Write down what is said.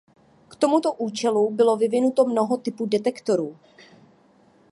K tomuto účelu bylo vyvinuto mnoho typů detektorů.